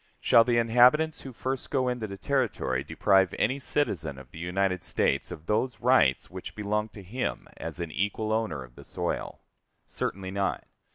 Shall the inhabitants who first go into the Territory deprive any citizen of the United States of those rights which belong to him as an equal owner of the soil? Certainly not.